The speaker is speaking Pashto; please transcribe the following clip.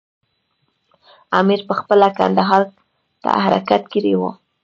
امیر پخپله کندهار ته حرکت کړی وو.